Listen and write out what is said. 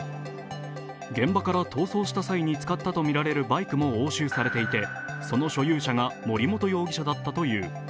現場から逃走した際に使ったとみられるバイクも押収されていて、その所有者が森本容疑者だったという。